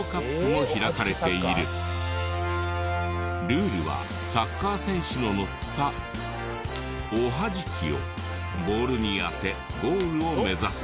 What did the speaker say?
ルールはサッカー選手ののったおはじきをボールに当てゴールを目指す。